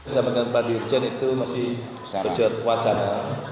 sementara itu masih wacana